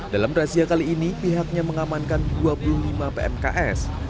dalam razia kali ini pihaknya mengamankan dua puluh lima pmks